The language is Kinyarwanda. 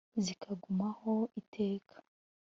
zikagumaho iteka